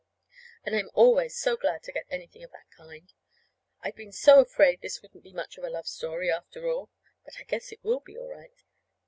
And I'm always so glad to get anything of that kind. I've been so afraid this wouldn't be much of a love story, after all. But I guess it will be, all right.